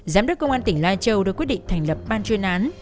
giám đốc công an tỉnh lai châu đã quyết định thành lập ban chuyên án